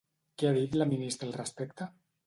Què ha dit la ministra al respecte?